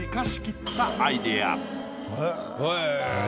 へえ。